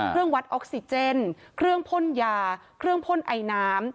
วัดออกซิเจนเครื่องพ่นยาเครื่องพ่นไอน้ำ